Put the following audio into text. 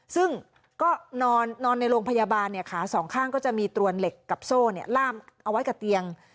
ซึ่งก็นอนในโรงพยาบาลขาสองข้างก็จะมีตรวนเหล็กกับโซ่ล่ามเอาไว้กับเตียง